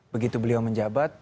begitu beliau menjabat